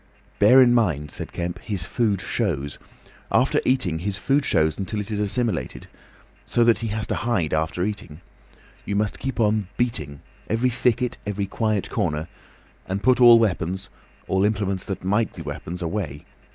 "Bear in mind," said Kemp, "his food shows. After eating, his food shows until it is assimilated. So that he has to hide after eating. You must keep on beating. Every thicket, every quiet corner. And put all weapons—all implements that might be weapons, away.